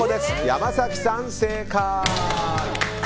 山崎さん、正解！